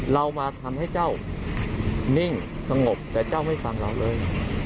เรามาทำให้เจ้านิ่งสงบแต่เจ้าไม่ฟังเราเลย